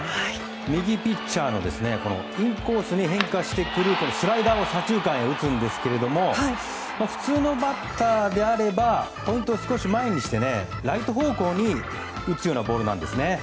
右ピッチャーのインコースに変化してくるスライダーを左中間へ打つんですけれども普通のバッターであればポイントを少し前にしてライト方向に打つようなボールなんですね。